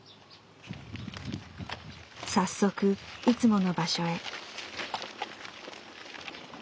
早速いつもの場所へ。